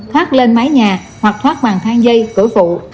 thoát lên mái nhà hoặc thoát màng thang dây cửa phụ